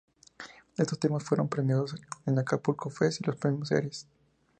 Estos temas fueron premiados en "Acapulco fest" y los "Premios Eres".